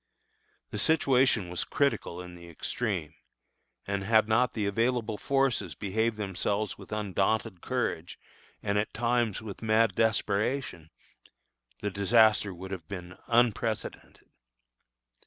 The situation was critical in the extreme; and had not the available forces behaved themselves with undaunted courage and, at times, with mad desperation, the disaster would have been unprecedented.